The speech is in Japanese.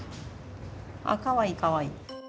かわいいかわいい。